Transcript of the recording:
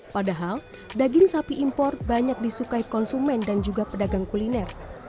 padahal daging sapi impor banyak disukai konsumen dan juga pedagang kuliner